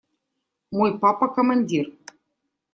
Мой папа – командир.